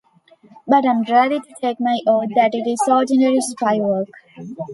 But I am ready to take my oath that it is ordinary spy work.